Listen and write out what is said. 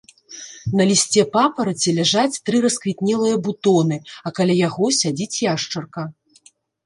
На лісце папараці ляжаць тры расквітнелыя бутоны, а каля яго сядзіць яшчарка.